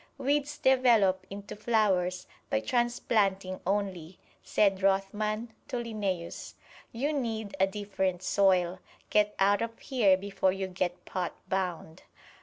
"Weeds develop into flowers by transplanting only," said Rothman to Linnæus. "You need a different soil get out of here before you get pot bound."